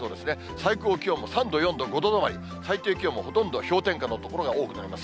最高気温も３度、４度、５度止まり、最低気温もほとんど氷点下の所が多くなります。